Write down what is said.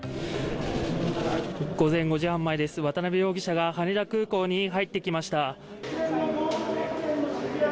午前５時半前です、渡辺容疑者が羽田空港に入ってきました。